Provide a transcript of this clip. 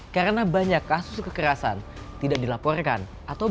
karena banyak kasus kekerasan yang terjadi di sekolah menengah pertama atau smp